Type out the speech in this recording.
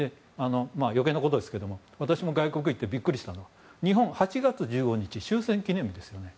余計なことですけども私も外国へ行ってビックリしたのは日本は８月１５日が終戦記念日ですよね。